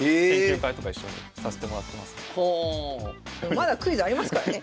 まだクイズありますからね。